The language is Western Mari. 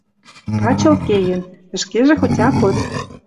Пачылт кеен. Ӹшкежӹ хотя пыт